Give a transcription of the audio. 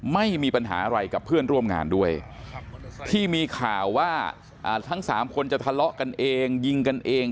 ไม่มีปัญหาอะไรกับเพื่อนร่วมงานด้วยที่มีข่าวว่าทั้งสามคนจะทะเลาะกันเองยิงกันเอง